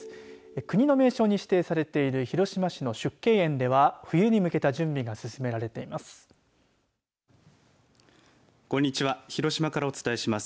国の名勝に指定されている広島市の縮景園では冬に向けた準備が進められています。